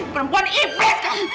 perempuan iblis kamu